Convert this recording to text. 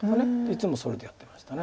いつもそれでやってました。